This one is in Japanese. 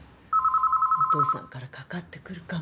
お父さんからかかってくるかも。